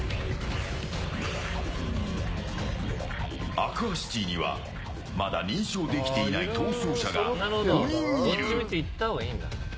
アクアシティにはまだ認証できていない逃走者が５人いる。